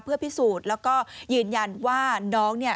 เพื่อพิสูจน์แล้วก็ยืนยันว่าน้องเนี่ย